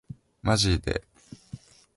マジで